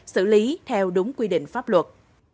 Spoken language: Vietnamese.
xử lý theo đúng quy định pháp luật